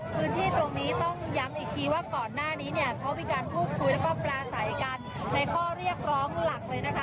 พื้นที่ตรงนี้ต้องย้ำอีกทีว่าก่อนหน้านี้เนี่ยเขามีการพูดคุยแล้วก็ปลาใสกันในข้อเรียกร้องหลักเลยนะคะ